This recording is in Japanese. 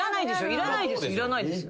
いらないですよ。